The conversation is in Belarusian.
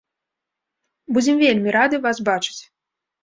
Будзем вельмі рады вас бачыць.